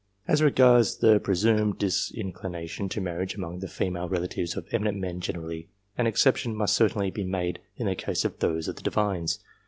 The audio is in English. As regards the presumed disinclination to marriage among the female relatives of eminent men gener ally, an exception must certainly be made in the case of those of the Divines.